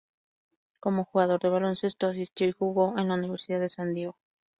Como jugador de baloncesto, asistió y jugó en la Universidad de San Diego.